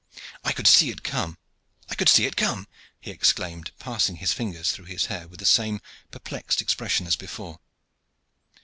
"I could see it come! I could see it come!" he exclaimed, passing his fingers through his hair with the same perplexed expression as before.